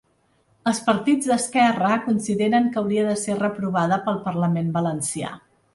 Els partits d’esquerra consideren que hauria de ser reprovada pel parlament valencià.